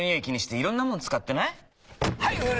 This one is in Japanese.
気にしていろんなもの使ってない？